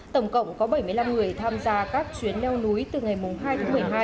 tổng cộng có bảy mươi năm người tham gia các chuyến leo núi từ ngày hai tháng một mươi hai